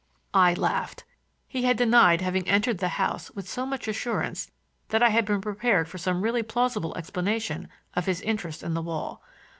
I laughed. He had denied having entered the house with so much assurance that I had been prepared for some really plausible explanation of his interest in the wall.